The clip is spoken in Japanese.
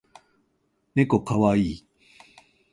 ねこかわいい